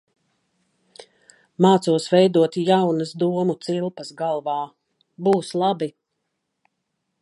Mācos veidot jaunas domu cilpas galvā. Būs labi.